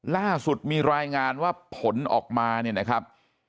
ล่าสุดมีรายงานว่าผลออกมาเนี่ยนะครับ